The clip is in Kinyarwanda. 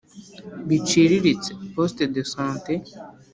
biciriritse Poste de sant